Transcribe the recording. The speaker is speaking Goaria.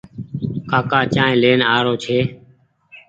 ڪآڪآ چآنه لين آرو ڇي۔